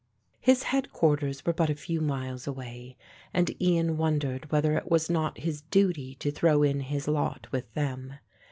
His headquarters were but a few miles away and Ian wondered whether it was not his duty to throw in his lot with them.